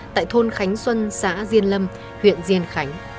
tại thôn khánh xuân xã diên lâm huyện diên khánh